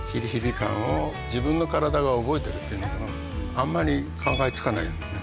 あんまり考えつかないよね